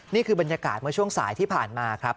นี่คือบรรยากาศเมื่อช่วงสายที่ผ่านมาครับ